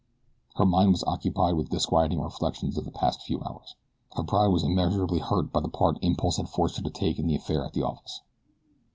Her mind was occupied with disquieting reflections of the past few hours. Her pride was immeasurably hurt by the part impulse had forced her to take in the affair at the office.